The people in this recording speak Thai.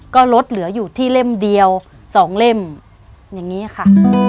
ก็ลดเหลืออยู่ที่เล่มเดียว๒เล่มอย่างนี้ค่ะ